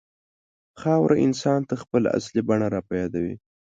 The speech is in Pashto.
خاوره انسان ته خپله اصلي بڼه راپه یادوي.